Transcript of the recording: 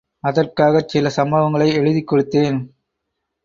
அதற்காகச்சில சம்பவங்களை எழுதிக்கொடுத்தேன்.